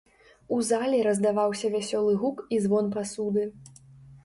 У залі раздаваўся вясёлы гук і звон пасуды.